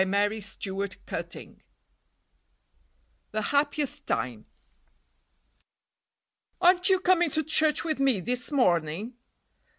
The Happiest Time The Happiest Time "AREN'T you coming to church with me this morning?"